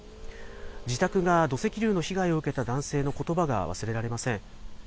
自宅が土石流の被害を受けた男性のことばが忘れられません。